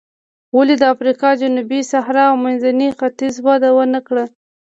ولې د افریقا جنوبي صحرا او منځني ختیځ وده ونه کړه.